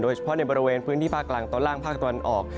เฉพาะในบริเวณพื้นที่ภาคกลางตอนล่างภาคตะวันออก